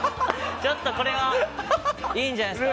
ちょっとこれはいいんじゃないですか。